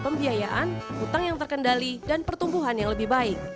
keuntungan hutang yang terkendali dan pertumbuhan yang lebih baik